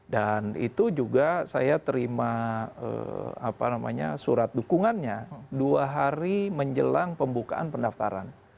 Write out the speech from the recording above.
dan itu juga saya terima surat dukungannya dua hari menjelang pembukaan pendaftaran